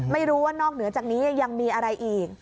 ไม่รู้ว่านอกเหนือจากนี้ยังมีอะไรอีก